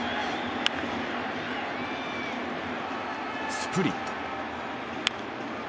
スプリット。